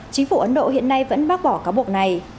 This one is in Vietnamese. chính phủ ấn độ hiện nay vẫn bác bỏ cáo buộc này